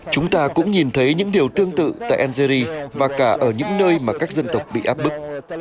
chúng ta cũng nhìn thấy những điều tương tự tại algeria và cả ở những nơi mà các dân tộc bị áp bức